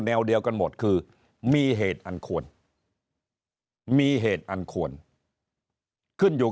แววเดียวกันหมดคือมีเหตุอันควรมีเหตุอันควรขึ้นอยู่